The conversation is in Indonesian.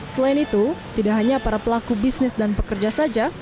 selain itu tidak hanya para pelaku bisnis dan pekerja saja